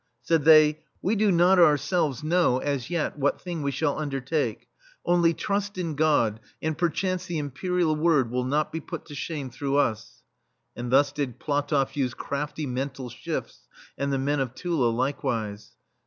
Said they: "We do not ourselves THE STEEL FLEA • know, as yet, what thing we shall un dertake ; only, trust in God, and per chance the Imperial word will not be put to shame through us." And thus did PlatofFuse crafty mental shifts, and the men of Tula likewise.